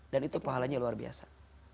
dan itu pahalanya luar biasa